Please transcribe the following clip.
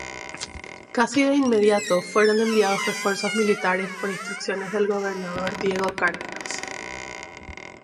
Casi de inmediato fueron enviados refuerzos militares por instrucciones del gobernador Diego de Cárdenas.